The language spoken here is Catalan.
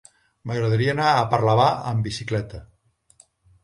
M'agradaria anar a Parlavà amb bicicleta.